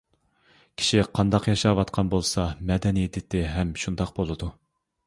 كىشى قانداق ياشاۋاتقان بولسا، مەدەنىي دىتى ھەم شۇنداق بولىدۇ.